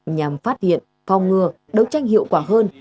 nhằm phát hiện phòng ngừa đấu tranh hiệu quả hơn